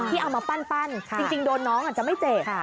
เอามาปั้นจริงโดนน้องอาจจะไม่เจ็บ